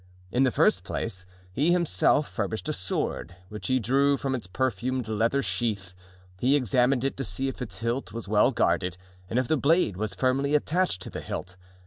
In the first place he himself furbished a sword, which he drew from its perfumed leather sheath; he examined it to see if its hilt was well guarded and if the blade was firmly attached to the hilt.